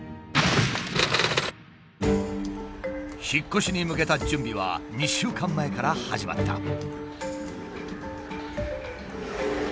引っ越しに向けた準備は２週間前から始まった。